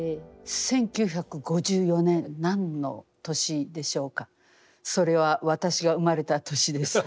１９５４年何の年でしょうかそれは私が生まれた年です。